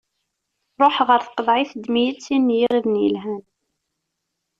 Ṛuḥ ɣer tqeḍɛit, ddem-iyi-d sin n iɣiden yelhan.